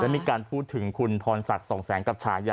มีการพูดถึงคุณพรศักดิ์สองแสงกับฉายา